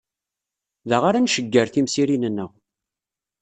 Da ara ncegger timsirin-nneɣ.